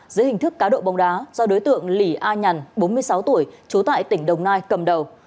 dưới hình thức cá độ bóng đá do đối tượng lỷ a nhằn bốn mươi sáu tuổi chố tại tỉnh đồng nai cầm đầu